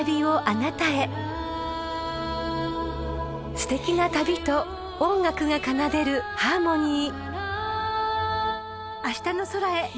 ［すてきな旅と音楽が奏でるハーモニー］